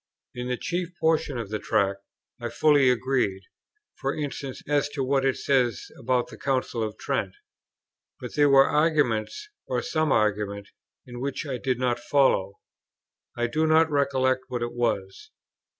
In the chief portion of the Tract I fully agreed; for instance, as to what it says about the Council of Trent; but there were arguments, or some argument, in it which I did not follow; I do not recollect what it was.